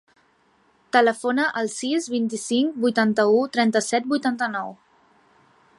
Telefona al sis, vint-i-cinc, vuitanta-u, trenta-set, vuitanta-nou.